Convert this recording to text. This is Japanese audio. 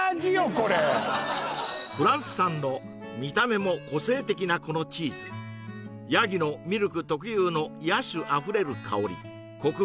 これフランス産の見た目も個性的なこのチーズ山羊のミルク特有の野趣あふれる香りコク